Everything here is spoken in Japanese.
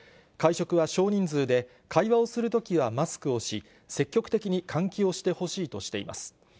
会食は少人数で、会話をするときはマスクをし、積極的に換気をしてほしいとしています。